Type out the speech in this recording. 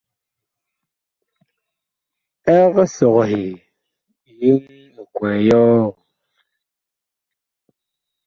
Eg sɔghe yeŋ ekwɛɛ yɔɔ ?